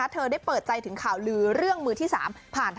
เธอได้เปิดใจถึงข่าวลือเรื่องมือที่๓ผ่าน